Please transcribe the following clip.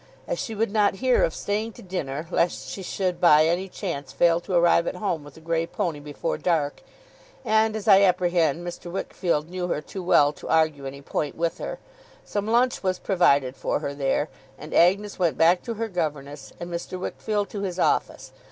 As she would not hear of staying to dinner, lest she should by any chance fail to arrive at home with the grey pony before dark; and as I apprehend Mr. Wickfield knew her too well to argue any point with her; some lunch was provided for her there, and Agnes went back to her governess, and Mr. Wickfield to his office.